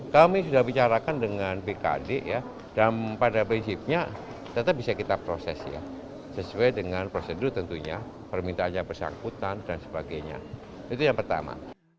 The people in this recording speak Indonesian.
kami sudah bicarakan dengan bkd ya dan pada prinsipnya tetap bisa kita proses ya sesuai dengan prosedur tentunya permintaan yang bersangkutan dan sebagainya itu yang pertama